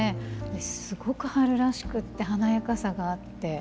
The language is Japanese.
すごく春らしくて華やかさがあって。